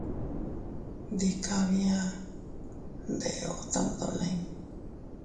Ndika bia, ndeeo tam dolin.